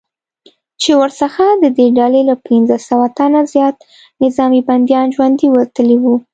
چې ورڅخه ددې ډلې له پنځه سوه تنه زیات نظامي بندیان ژوندي وتلي وو